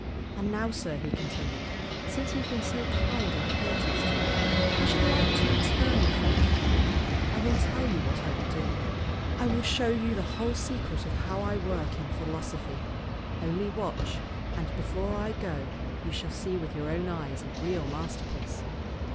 And now, sir," he continued, "since you have been so kind and courteous to me, I should like to return the favor. I will tell you what I will do. I will show you the whole secret of how I work in philosophy. Only watch, and before I go you shall see with your own eyes a real masterpiece.